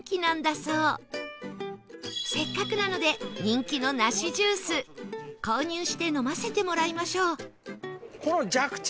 せっかくなので人気の梨ジュース購入して飲ませてもらいましょう